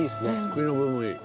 茎の部分いい。